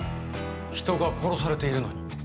人が殺されているのに？